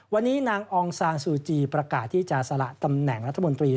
วันนี้นางอองซานซูจีประกาศที่จะสละตำแหน่งรัฐมนตรี